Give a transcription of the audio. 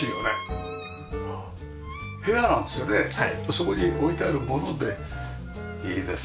そこに置いてあるものでいいですね。